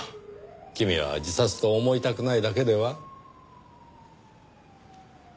君は自殺と思いたくないだけでは？